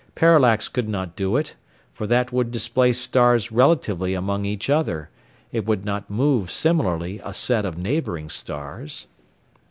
Parallax could not do it, for that would displace stars relatively among each other it would not move similarly a set of neighbouring stars.